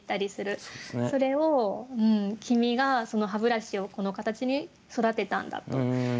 それをきみがその歯ブラシをこの形に育てたんだと。